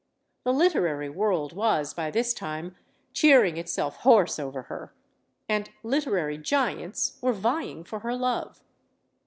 The literary world was by this time cheering itself hoarse over her. And literary giants were vying for her love.